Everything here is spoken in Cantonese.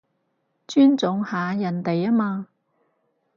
尊重下人哋吖嘛